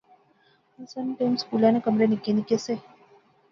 اساں نے ٹیم سکولا نے کمرے نکے نکے سے